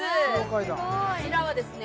こちらはですね